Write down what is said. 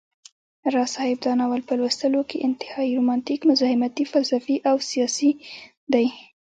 راز صاحب دا ناول په لوستلو کي انتهائى رومانتيک، مزاحمتى، فلسفى او سياسى دى